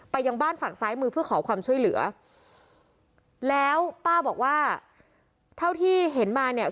ยังบ้านฝั่งซ้ายมือเพื่อขอความช่วยเหลือแล้วป้าบอกว่าเท่าที่เห็นมาเนี่ย